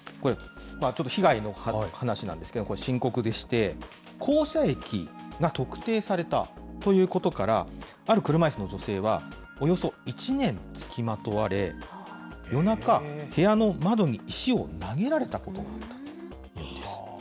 ちょっと被害の話なんですけど、深刻でして、降車駅が特定されたということから、ある車いすの女性はおよそ１年付きまとわれ、夜中、部屋の窓に石を投げられたことがあるそうです。